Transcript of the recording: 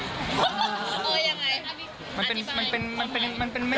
อ๋อยังไง